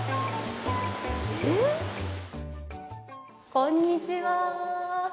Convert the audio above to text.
こんにちはー。